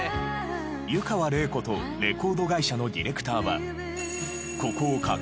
湯川れい子とレコード会社のディレクターは。